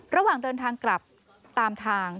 ระหว่างเดินทางกลับตามทาง